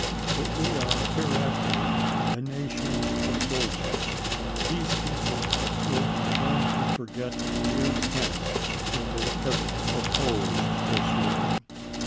But we are hereafter a nation of soldiers. These people will be trying to forget years hence that they ever opposed this war.